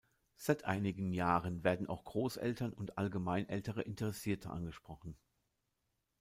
Seit einigen Jahren werden auch Großeltern und allgemein ältere Interessierte angesprochen.